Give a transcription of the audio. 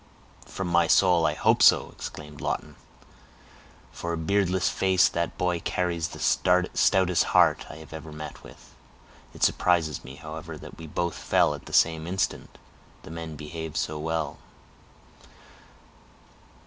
"From my soul I hope so," exclaimed Lawton. "For a beardless face, that boy carries the stoutest heart I have ever met with. It surprises me, however, that as we both fell at the same instant, the men behaved so well."